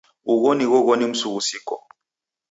Ugho ni ghoghoni msughusiko.